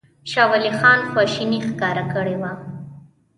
شاه ولي خان خواشیني ښکاره کړې وه.